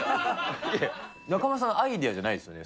中丸さんのそれアイデアじゃないですよね。